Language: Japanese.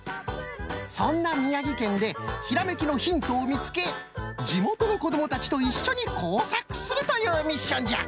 そんな宮城県でひらめきのヒントを見つけ地元の子どもたちといっしょに工作するというミッションじゃ！